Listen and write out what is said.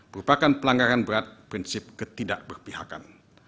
merupakan pelanggaran berat prinsip ketidakberpihakan